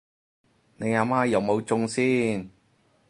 你阿媽有冇中先？